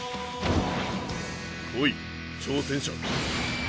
来い挑戦者！